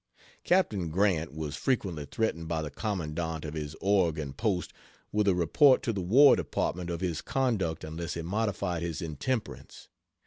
......................... Captain Grant was frequently threatened by the Commandant of his Oregon post with a report to the War Department of his conduct unless he modified his intemperance.